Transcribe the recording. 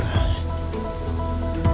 sejak saat itu